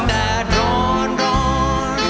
แดดร้อนร้อน